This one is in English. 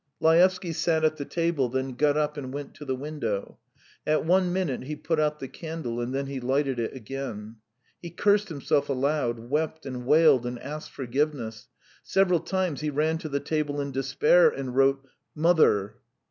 Laevsky sat at the table, then got up and went to the window; at one minute he put out the candle and then he lighted it again. He cursed himself aloud, wept and wailed, and asked forgiveness; several times he ran to the table in despair, and wrote: "Mother!"